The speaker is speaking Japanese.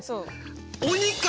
鬼か！